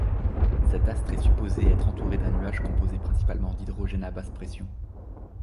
Cet astre est supposé être entouré d'un nuage composé principalement d'hydrogène à basse pression.